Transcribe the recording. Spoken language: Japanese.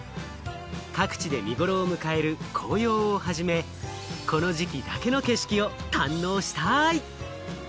各地で見ごろを迎える紅葉をはじめ、この時期だけの景色を堪能したい！